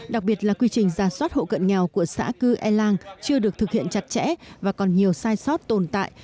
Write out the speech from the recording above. đặc biệt là quy trình ra soát hộ cận nghèo của xã cư ê làng chưa được thực hiện chặt chẽ và còn nhiều sai sót tồn tại